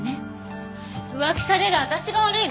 浮気される私が悪いの？